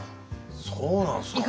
そうなんすか？